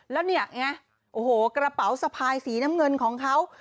แล้วเนี่ยโอ้โหกระเป๋าสะพายสีน้ำเงินของเขา